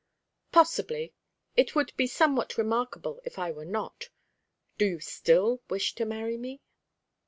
"Possibly; it would be somewhat remarkable if I were not. Do you still wish to marry me?"